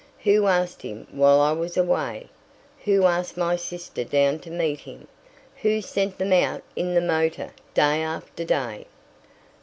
"Who asked him while I was away? Who asked my sister down to meet him? Who sent them out in the motor day after day?"